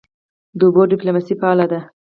د اوبو ډیپلوماسي فعاله ده؟